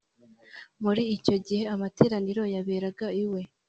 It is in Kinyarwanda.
muri icyo gihe amateraniro yaberaga iwe.